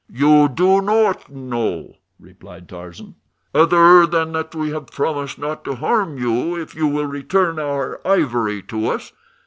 "You do not know," replied Tarzan, "other than that we have promised not to harm you if you will return our ivory to us.